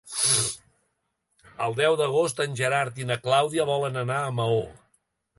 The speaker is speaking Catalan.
El deu d'agost en Gerard i na Clàudia volen anar a Maó.